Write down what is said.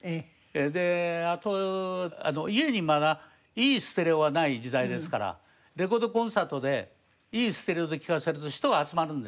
であと家にまだいいステレオがない時代ですからレコードコンサートでいいステレオで聴かせると人が集まるんですね。